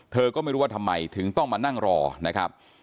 เธอก็ไม่รู้ว่าทำไมถึงต้องมานั่งรอนะครับ